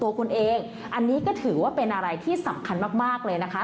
ตัวคุณเองอันนี้ก็ถือว่าเป็นอะไรที่สำคัญมากเลยนะคะ